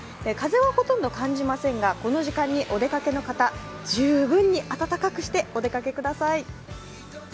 風はほとんど感じませんがこの時間にお出かけの方十分に温かくしてお出かけください。